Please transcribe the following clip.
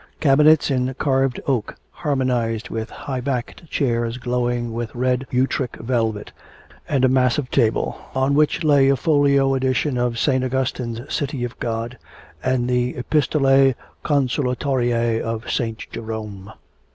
Cabinets in carved oak harmonised with high backed chairs glowing with red Utrecht velvet, and a massive table, on which lay a folio edition of St. Augustine's City of God and the Epistolae Consolitoriae of St. Jerome.